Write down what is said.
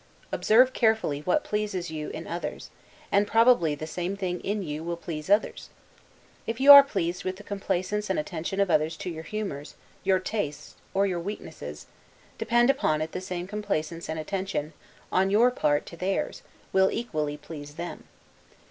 Observe carefully what pleases you in others, and probably the same thing in you will please others. If you are pleased with the complaisance and attention of others to your humors, your tastes, or your weaknesses, depend upon it the same complaisance and attention, on your part to theirs, will equally please them.